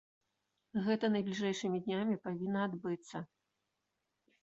Гэта найбліжэйшымі днямі павінна адбыцца.